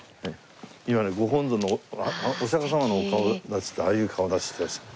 今ねご本尊のお釈迦様のお顔立ちってああいう顔立ちしてらっしゃる。